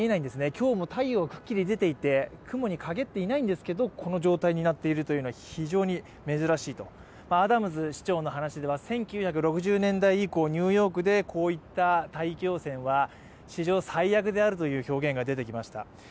今日も太陽、くっきり出ていて雲に陰っていないんですけどもこの状態になっているというのは非常に珍しいと、アダムズ市長の話では１９６０年代以降、ニューヨークでこういった大気汚染は史上最悪だという表現が出てきました。